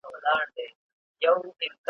لار دي را وښیه بیابانه پر ما ښه لګیږي `